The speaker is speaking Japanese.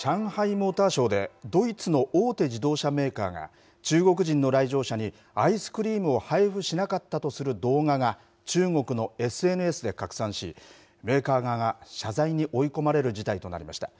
モーターショーでドイツの大手自動車メーカーが、中国人の来場者にアイスクリームを配布しなかったとする動画が、中国のＳＮＳで拡散し、メーカー側が謝罪に追い込まれる事態となりました。